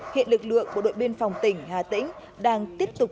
hiện lực lượng bộ đội biên phòng tỉnh hà tĩnh đang tiếp tục